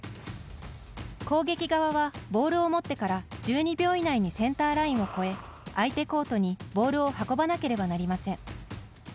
攻撃側はボールを持ってから１２秒以内にセンターラインを越え相手コートにボールを運ばなければなりません。